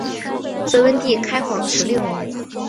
隋文帝开皇十六年。